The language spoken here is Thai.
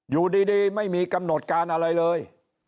อยู่ดีไม่มีกำหนดการอะไรเลย